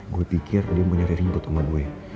gue pikir dia mau nyari ribut sama gue